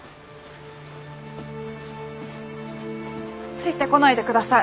ついてこないでください。